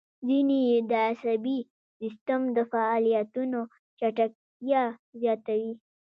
ځینې یې د عصبي سیستم د فعالیتونو چټکتیا زیاتوي.